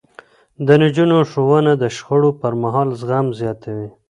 د نجونو ښوونه د شخړو پرمهال زغم زياتوي.